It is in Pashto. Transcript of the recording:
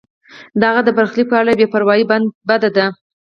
د هغه د برخلیک په اړه بې پروایی بده ده.